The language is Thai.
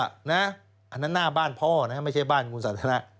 อันนั้นหน้าบ้านพ่อนะไม่ใช่บ้านคุณสันทนะ